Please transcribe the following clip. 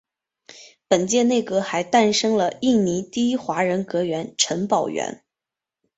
本届内阁还诞生了印尼第一位华人阁员陈宝源。